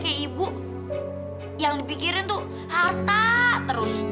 kayak ibu yang dipikirin tuh harta terus